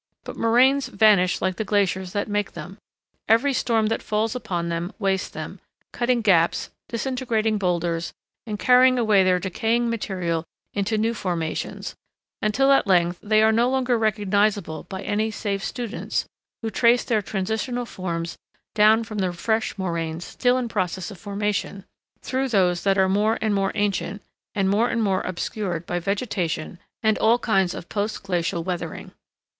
But moraines vanish like the glaciers that make them. Every storm that falls upon them wastes them, cutting gaps, disintegrating boulders, and carrying away their decaying material into new formations, until at length they are no longer recognizable by any save students, who trace their transitional forms down from the fresh moraines still in process of formation, through those that are more and more ancient, and more and more obscured by vegetation and all kinds of post glacial weathering.